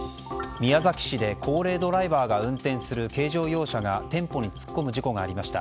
宮崎市で高齢ドライバーが運転する軽乗用車が店舗に突っ込む事故がありました。